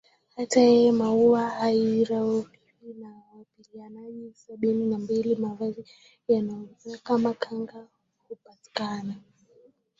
hata yenye maua haidharauliwi na wapiganaji Sabini na mbili Mavazi yanayojulikana kama kanga hupatikana